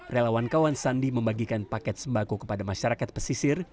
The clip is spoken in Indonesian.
relawan kawan sandi membagikan paket sembako kepada masyarakat pesisir